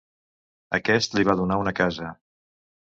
Aquest li va donar una casa.